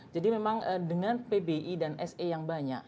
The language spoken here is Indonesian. jadi memang dengan pbi dan se yang banyak